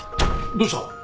どうした？